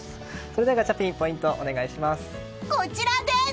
ではガチャピン、ポイントをお願いします。